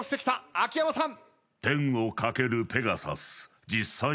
秋山さん。